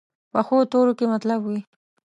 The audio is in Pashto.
پخو تورو کې مطلب وي